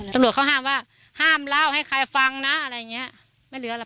ตำรวจเขาห้ามว่าห้ามเล่าให้ใครฟังนะอะไรอย่างเงี้ยไม่เหลือหรอก